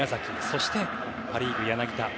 そしてパ・リーグの柳田。